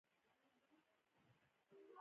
هر ماموت د غوښې او عاج قیمتي سرچینه وه.